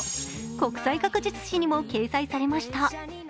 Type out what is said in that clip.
国際学術誌にも掲載されました。